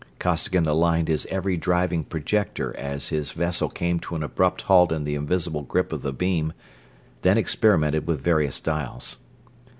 Costigan aligned his every driving projector as his vessel came to an abrupt halt in the invisible grip of the beam, then experimented with various dials.